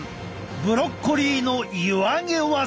ブロッコリーの湯揚げワザだ！